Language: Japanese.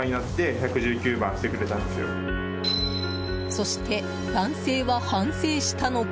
そして、男性は反省したのか。